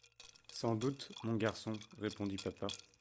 Sans doute, mon garçon, répondit papa.